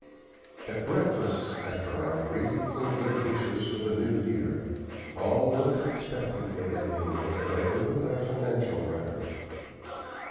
At breakfast, after our greetings and good wishes for the New Year, all looked expectantly at me as I opened our financial record.